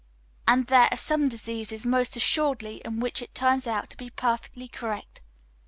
And there are some diseases most assuredly in which it turns out to be perfectly correct.